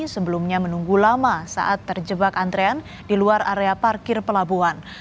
sebelumnya menunggu lama saat terjebak antrean di luar area parkir pelabuhan